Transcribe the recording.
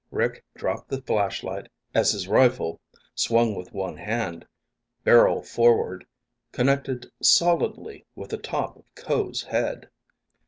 Rick dropped the flashlight as his rifle, swung with one hand, barrel forward, connected solidly with the top of Ko's head.